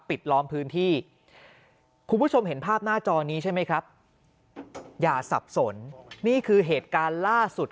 ล้อมพื้นที่คุณผู้ชมเห็นภาพหน้าจอนี้ใช่ไหมครับอย่าสับสนนี่คือเหตุการณ์ล่าสุด